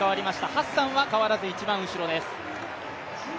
ハッサンは変わらず一番後ろです。